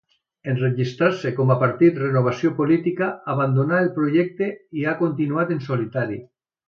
En registrar-se com a partit, Renovació Política abandonà el projecte i ha continuat en solitari.